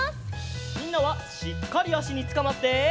みんなはしっかりあしにつかまって！